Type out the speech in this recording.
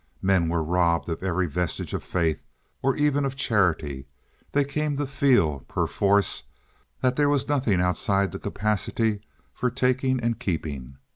Men were robbed of every vestige of faith or even of charity; they came to feel, perforce, that there was nothing outside the capacity for taking and keeping.